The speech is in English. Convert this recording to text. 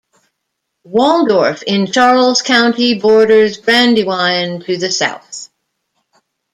Waldorf in Charles County borders Brandywine to the south.